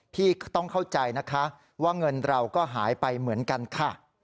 พี่ต้องเข้าใจนะคะว่าเงินเราก็หายไปเหมือนกันค่ะ